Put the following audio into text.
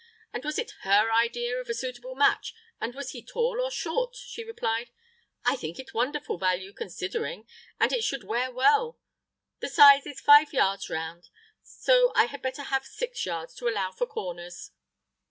and was it her idea of a suitable match, and was he tall or short, she replied: 'I think it wonderful value considering, and it should wear well; the size is five yards round, so I had better have six yards to allow for corners.